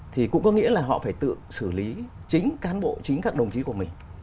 thì cũng có nghĩa là họ phải tự xử lý chính cán bộ chính các đồng chí của mình